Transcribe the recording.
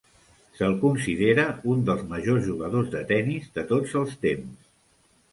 S'el considera un dels majors jugadors de tennis de tots els temps.